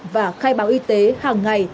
và khai báo y tế hàng ngày